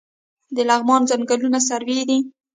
د لغمان ځنګلونه سروې دي